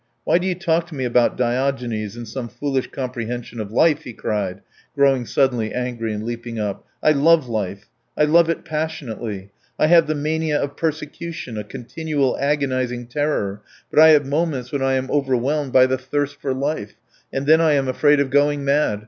"Why do you talk to me about Diogenes and some foolish comprehension of life?" he cried, growing suddenly angry and leaping up. "I love life; I love it passionately. I have the mania of persecution, a continual agonizing terror; but I have moments when I am overwhelmed by the thirst for life, and then I am afraid of going mad.